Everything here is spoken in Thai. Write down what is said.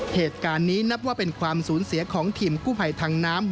เหตุการณ์นี้นับว่าเป็นความสูญเสียของทีมกู้ภัยทางน้ำ